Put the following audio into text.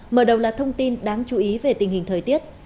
mở đầu là thông tin đáng chú ý về tình hình thời tiết